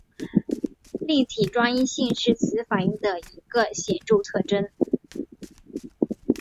立体专一性是此反应的一个显着特征。